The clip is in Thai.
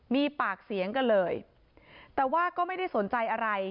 มีปากเสียงกันเลยแต่ว่าก็ไม่ได้สนใจอะไร